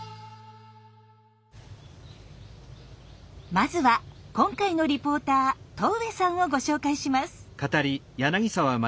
まずは今回のリポーター戸上さんをご紹介します。